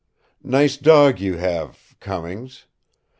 "Nice dog you have, Cummings.